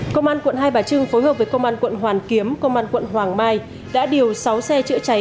công an quận hai bà trưng phối hợp với công an quận hoàn kiếm công an quận hoàng mai đã điều sáu xe chữa cháy